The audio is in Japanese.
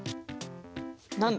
何だ？